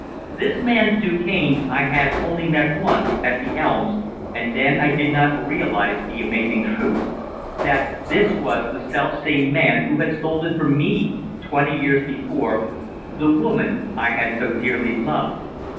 This man Du Cane I had only met once, at the Elms, and then I did not realize the amazing truth that this was the selfsame man who had stolen from me, twenty years before, the woman I had so dearly loved.